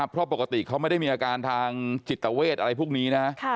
เพราะปกติเขาไม่ได้มีอาการทางจิตเวทอะไรพวกนี้นะ